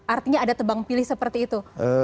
artinya ada tebang pilih seperti itu